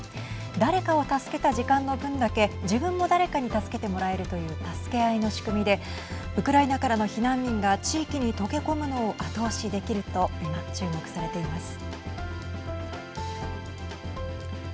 誰かを助けた時間の分だけ自分も誰かに助けてもらえるという助け合いの仕組みでウクライナからの避難民が地域に溶け込むのを後押しできると今、注目されています。